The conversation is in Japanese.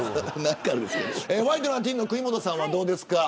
ワイドナティーンの国本さんはどうですか。